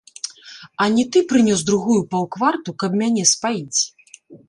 А не ты прынёс другую паўкварту, каб мяне спаіць?